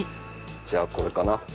じゃあこれかな。